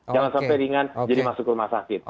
jangan sampai ringan jadi masuk rumah sakit